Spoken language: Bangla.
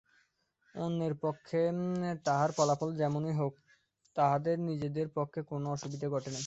অন্যের পক্ষে তাহার ফলাফল যেমনই হউক, তাহাদের নিজেদের পক্ষে কোনো অসুবিধা ঘটে নাই।